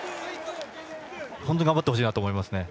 本当に頑張ってほしいなと思いますね。